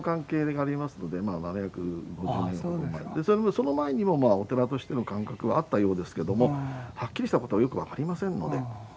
その前にもまあお寺としての感覚はあったようですけどもはっきりしたことはよく分かりませんので。